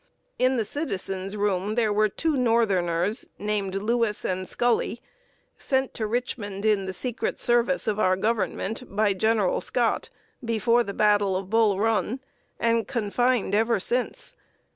In the Citizens' Room were two northerners, named Lewis and Scully, sent to Richmond in the secret service of our Government, by General Scott, before the battle of Bull Run, and confined ever since.